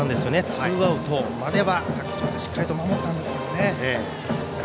ツーアウトまでは佐久長聖、しっかりと守ったんですけどね。